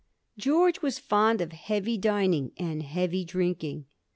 George was fond of heavy dining and heavy drinking.